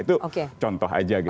itu contoh aja gitu